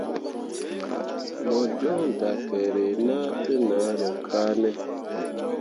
Mo jon dakerre na te nahro kane ?